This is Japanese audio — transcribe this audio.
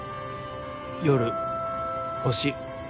夜星。